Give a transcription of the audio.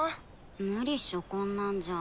無理っしょこんなんじゃ。